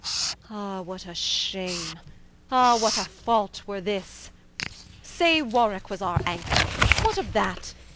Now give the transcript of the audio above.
Ah what a shame, ah what a fault were this. Say Warwicke was our Anchor: what of that?